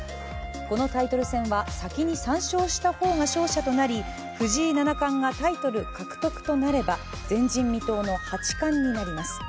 このタイトル戦は先に３勝した方が勝者となり藤井七冠がタイトル獲得となれば前人未到の八冠になります。